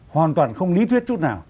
hoàn toàn không lý thuyết chút nào